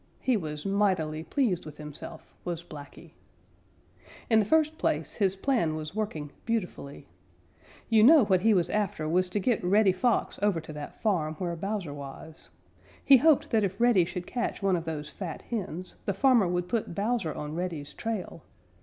He was mightily pleased with himself, was Blacky. In the first place his plan was working beautifully. You know what he was after was to get Reddy Fox over to that farm where Bowser was. He hoped that if Reddy should catch one of those fat hens, the farmer would put Bowser on Reddy's trail.